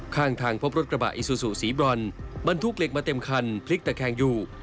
ข้างทางพบรถกระบะอิซูซูสีบรอนบรรทุกเหล็กมาเต็มคันพลิกตะแคงอยู่